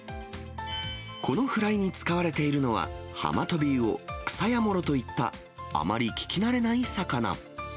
このフライに使われているのは、ハマトビウオ、クサヤモロといった、あまり聞き慣れない魚。